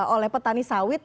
oleh petani sawit